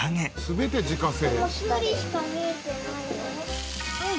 全て自家製。